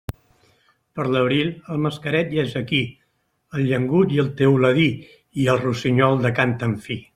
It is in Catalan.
Per l'abril, el mascaret ja és aquí, el llengut i el teuladí i el rossinyol de cant tan fi.